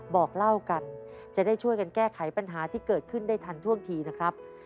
บอกเล่ากันจะได้ช่วยกันแก้ไขปัญหาที่เกิดขึ้นได้ทันท่วงทีนะครับ